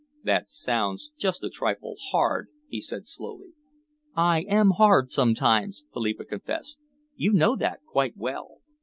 "That sounds just a trifle hard," he said slowly. "I am hard sometimes," Philippa confessed. "You know that quite well.